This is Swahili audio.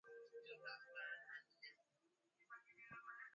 inatumia vituo vya siri vinavyojulikana kama nyumba salama